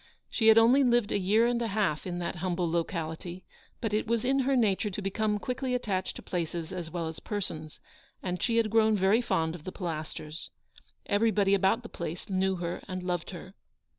She had only lived a year and a half in that humble locality, but it was in her nature to become quickly attached to places as well as persons, and she had grown very fond of the Pilasters. Everybody about the place knew her and loved her.